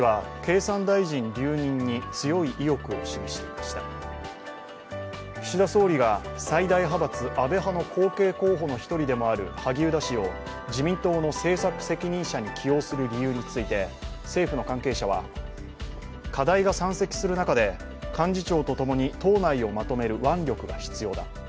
萩生田氏は経産大臣留任に、強い意欲を示していました岸田総理が最大派閥、安倍派の後継候補の１人でもある萩生田氏を自民党の政策責任者に起用する理由について政府の関係者は課題が山積する中で、幹事長とともに、党内をまとめる腕力が必要だ。